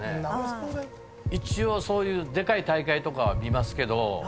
一応そういうでかい大会は見ますけど。